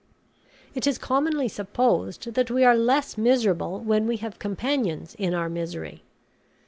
It is commonly supposed that we are less miserable when we have companions in our misery.